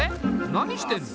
何してんの？